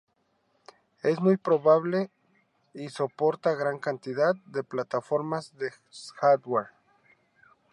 Es muy portable y soporta gran cantidad de plataformas de hardware.